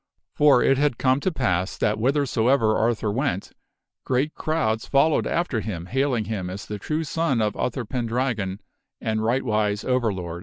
For it had come to pass that whitherso Arthur is ever Arthur went great crowds followed after him hailing crowned King him as the true son of Uther Pendragon, and rightwise over of Britain.